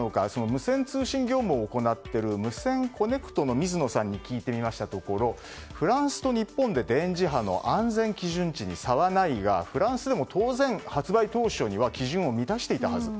無線通信業務を行っているムセンコネクトの水野さんに聞いてみましたところフランスと日本で電磁波の安全基準値に差はないがフランスでも当然、発売当初では基準を満たしていたはず。